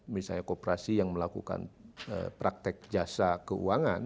misalnya kooperasi yang melakukan praktek jasa keuangan